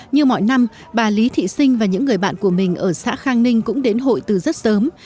như mọi năm bà lý thị sinh và những người bạn của mình ở xã khang ninh cũng đến hội từ rất sớm